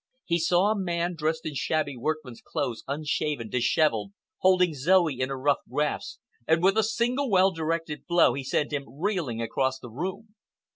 He saw a man dressed in shabby workman's clothes, unshaven, dishevelled, holding Zoe in a rough grasp, and with a single well directed blow he sent him reeling across the room.